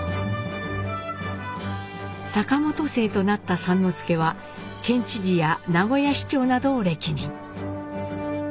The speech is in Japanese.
坂本姓となった之助は県知事や名古屋市長などを歴任。